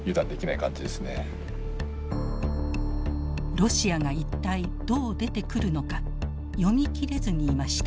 ロシアが一体どう出てくるのか読み切れずにいました。